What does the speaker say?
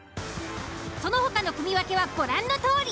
その他の組分けはご覧のとおり。